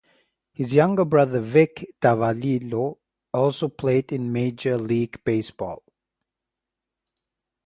His younger brother Vic Davalillo, also played in Major League Baseball.